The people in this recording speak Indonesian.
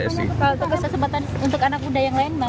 kalau kesempatan untuk anak muda yang lain mau